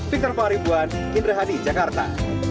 victor faharibuan indra hadi jakarta